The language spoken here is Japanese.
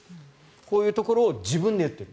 こういうところを自分で言っている。